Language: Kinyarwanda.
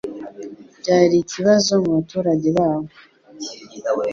Byari ikibazo mubaturage babo.